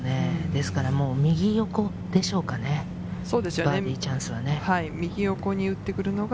ですから右横でしょうかね、バーディーチャンスは。